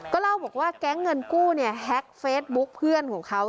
เล่าบอกว่าแก๊งเงินกู้เนี่ยแฮ็กเฟซบุ๊คเพื่อนของเขา